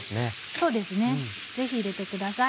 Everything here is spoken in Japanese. そうですねぜひ入れてください。